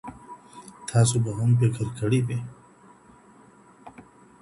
تاسو به هم فکر کړی وي؟